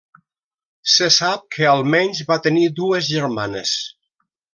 Se sap que almenys va tenir dues germanes.